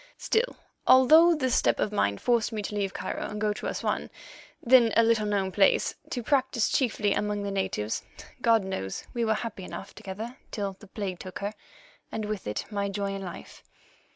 Still, although this step of mine forced me to leave Cairo and go to Assouan, then a little known place, to practise chiefly among the natives, God knows we were happy enough together till the plague took her, and with it my joy in life.